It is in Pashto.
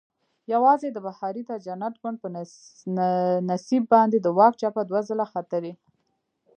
یوازې د بهاریته جنت ګوند په نصیب باندې د واک پچه دوه ځله ختلې.